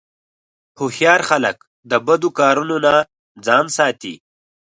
هوښیار خلک د بدو کارونو نه ځان ساتي.